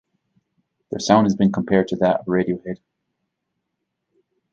Their sound has been compared to that of Radiohead.